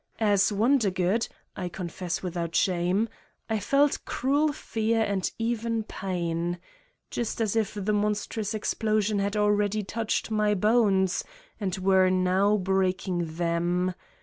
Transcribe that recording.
As Wondergood, I confess without shame, I felt cruel fear and even pain : just as if the monstrous explosion had already touched my bones and were now break ing them